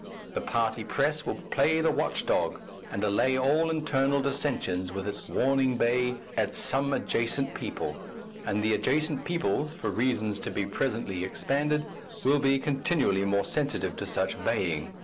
The party press will play the watch dog and allay all internal dissensions with its warning bay at some adjacent people, and the adjacent peoples, for reasons to be presently expanded, will be continually more sensitive to such baying.